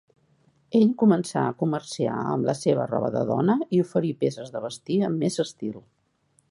Ell començà a comerciar amb la seva roba de dona i oferir peces de vestir amb més estil.